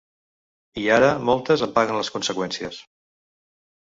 I ara moltes en paguen les conseqüències.